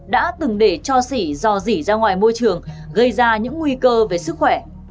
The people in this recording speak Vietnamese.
đã từng để cho sỉ dò dỉ ra ngoài môi trường gây ra những nguy cơ về sức khỏe